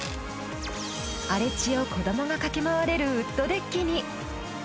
荒れ地を子どもが駆け回れるウッドデッキに。